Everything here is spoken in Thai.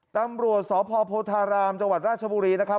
ตำรวจสพโพธารามจังหวัดราชบุรีนะครับ